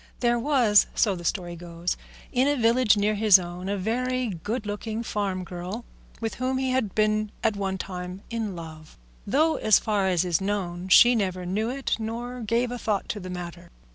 There was, so the story goes, in a village near his own a very good looking farm girl with whom he had been at one time in love, though, so far as is known, she never knew it nor gave a thought to the matter.